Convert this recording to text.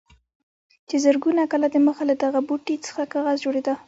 چې زرګونه کاله دمخه له دغه بوټي څخه کاغذ جوړېده.